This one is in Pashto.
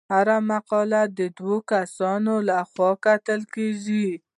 هره مقاله د دوه کسانو لخوا کتل کیږي.